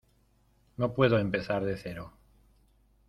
no puedo empezar de cero.